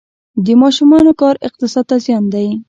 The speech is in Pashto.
د ماشومانو کار اقتصاد ته زیان دی؟